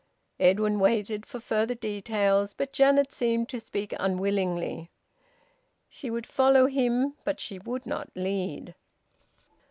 Edwin waited for further details, but Janet seemed to speak unwilling. She would follow him, but she would not lead.